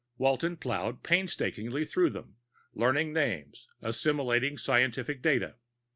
Walton ploughed painstakingly through them, learning names, assimilating scientific data.